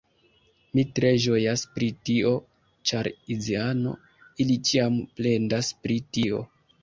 Mi tre ĝojas pri tio! ĉar aziano, ili ĉiam plendas pri tio